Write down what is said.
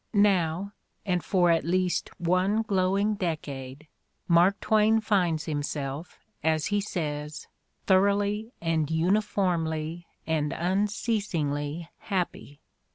Now, and for at least one glowing decade, Mark Twain finds himself, as he says, '' thor oughly and uniformly and unceasingly happy."